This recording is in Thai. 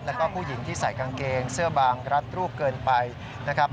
แล้วก็ผู้หญิงที่ใส่กางเกงเสื้อบางรัดรูปเกินไปนะครับ